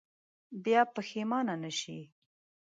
بیا پښېمانه نه شئ.